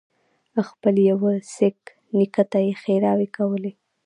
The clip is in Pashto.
خپل يوه سېک نیکه ته یې ښېراوې کولې.